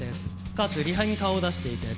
かつリハに顔を出していた奴。